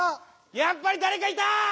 やっぱりだれかいた！